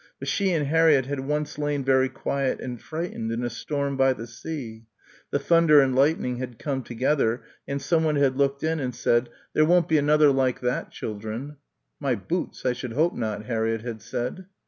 But she and Harriett had once lain very quiet and frightened in a storm by the sea the thunder and lightning had come together and someone had looked in and said, "There won't be another like that, children." "My boots, I should hope not," Harriett had said.